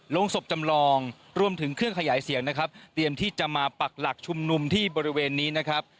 ลงศพจำลองรวมถึงเครื่องขยายเสียงนะครับเตรียมที่จะมาปักหลักชุมนุมที่บริเวณนี้นะครับ